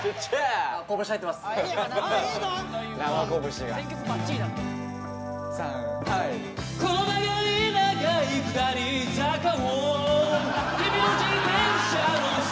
こぶし入ってます下？